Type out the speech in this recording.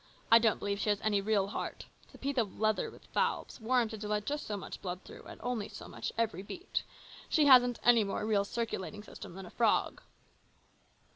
I don't believe she has any real heart. It's a piece of leather with valves, warranted to let just so much blood through, and only so much, every beat. She hasn't any more real circulating system than a frog."